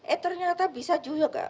eh ternyata bisa juga